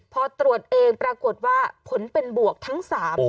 พอตรวจเองปรากฏว่าผลเป็นบวกทั้ง๓